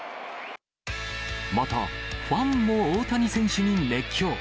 また、ファンも大谷選手に熱狂。